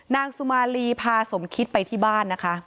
นางสุมาลีพาสมคิดไปที่บ้านนะคะ